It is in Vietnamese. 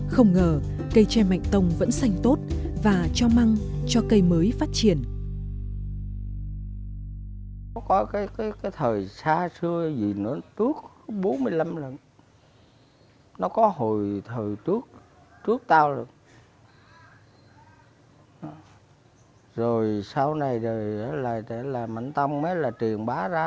không ngờ cây tre mạnh tông vẫn sanh tốt và cho măng cho cây mới phát triển